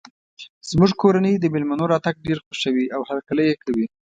زموږ کورنۍ د مېلمنو راتګ ډیر خوښوي او هرکلی یی کوي